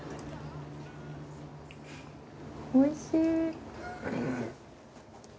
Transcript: おいしい。